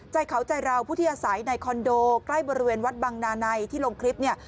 ใจเขาใจเราผู้ที่อาศัยในคอนโดใกล้บริเวณวัดบังนาในที่ลงคลิปเนี่ย